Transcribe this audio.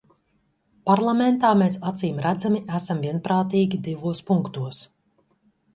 Parlamentā mēs acīmredzami esam vienprātīgi divos punktos.